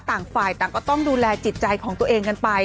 ต่างฝ่ายต่างก็ต้องดูแลจิตใจของตัวเองกันไป